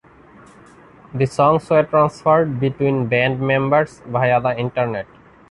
The songs were transferred between band members via the internet.